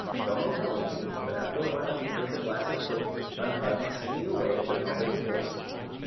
Donald held his peace, but after a while he heard the glasses clink, and Hudden singing away at the top of his voice.